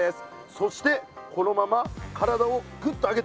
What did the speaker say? そしてこのまま体をぐっと上げて。